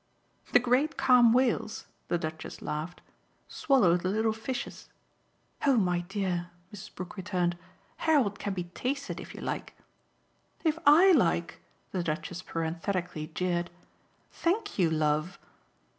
"The great calm whales," the Duchess laughed, "swallow the little fishes." "Oh my dear," Mrs. Brook returned, "Harold can be tasted, if you like " "If I like?" the Duchess parenthetically jeered. "Thank you, love!"